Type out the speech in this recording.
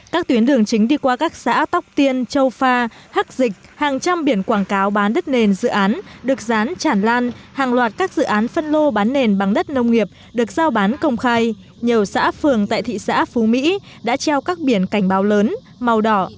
các tuyến đường chính đi qua các xã tóc tiên châu pha hắc dịch hàng trăm biển quảng cáo bán đất nền dự án được rán chản lan hàng loạt các dự án phân lô bán nền bán đất nông nghiệp được giao bán công khai nhiều xã phường tại thị xã phú mỹ đã treo các biển cảnh báo lớn màu đỏ